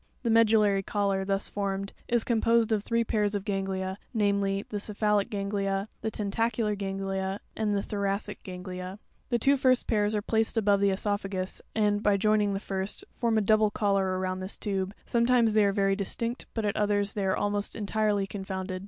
'The medullary collar, thus formed, is composed of three pairs of ganglia, namely: the cephalic ganglia (fig. 11, c), the tentacular ganglia (¢), and the thoracic ganglia (g); the two first pairs are placed above the cesophagus, and, by joining the first, form a double collar around this tube; sometimes they are very distinct, but at others, they are almost entirely confounded.